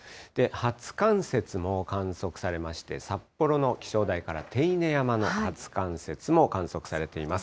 初冠雪も観測されまして、札幌の気象台から手稲山の初冠雪も観測されています。